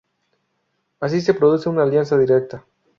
así se produce una alianza directa